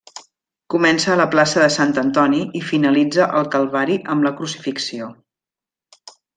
Comença a la plaça de Sant Antoni i finalitza al Calvari amb la Crucifixió.